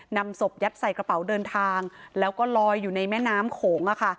นำศพยัดใส่กระเป๋าเดินทางแล้วก็ลอยอยู่ในแม่น้ำโขง